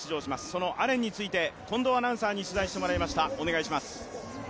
そのアレンについて近藤アナウンサーに取材してもらいました。